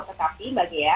tetapi mbak gaya